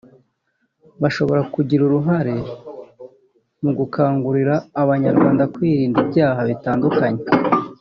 bashobora kugira uruhare mu gukangurira abanyarwanda kwirinda ibyaha bitandukanye